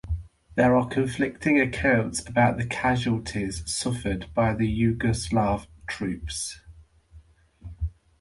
There are conflicting accounts about the casualties suffered by the Yugoslav troops.